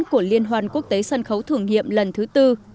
của liên hoan quốc tế sân khấu thử nghiệm lần thứ tư